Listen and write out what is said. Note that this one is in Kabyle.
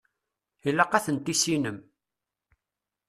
Ilaq ad ten-tissinem.